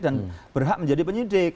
dan berhak menjadi penyidik